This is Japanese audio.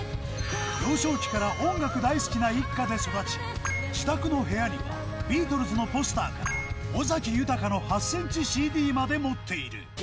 幼少期から音楽大好きな一家で育ち、自宅の部屋には、ビートルズのポスターから、尾崎豊の８センチＣＤまで持っている。